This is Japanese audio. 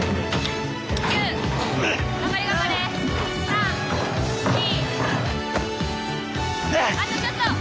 あとちょっと！